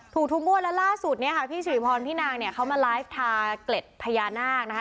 ถูกทุกงวดแล้วล่าสุดเนี่ยค่ะพี่สิริพรพี่นางเนี่ยเขามาไลฟ์ทาเกล็ดพญานาคนะคะ